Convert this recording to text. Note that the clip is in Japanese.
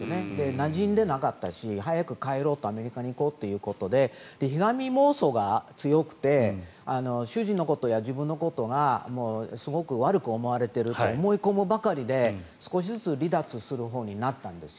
なじんでなかったし早く帰ろうとアメリカに行こうということで被害妄想が強くて主人のことや自分のことが悪く思われていると思い込むばかりで、少しずつ離脱するほうになったんです。